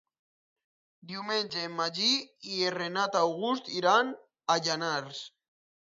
Diumenge en Magí i en Renat August iran a Llanars.